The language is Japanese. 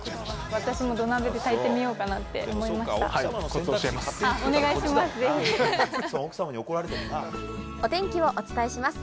私も土鍋で炊いてみようかなこつ教えます。